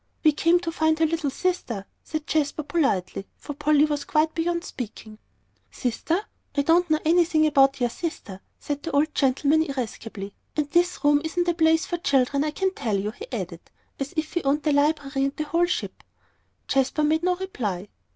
"We came to find her little sister," said Jasper, politely, for Polly was quite beyond speaking. "Sister? I don't know anything about your sister," said the old gentleman, irascibly. "And this room isn't a place for children, I can tell you," he added, as if he owned the library and the whole ship. Jasper made no reply.